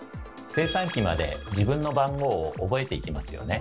精算機まで自分の番号を覚えていきますよね。